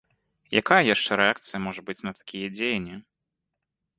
Якая яшчэ рэакцыя можа быць на такія дзеянні?